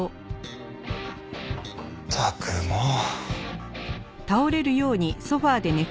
ったくもう。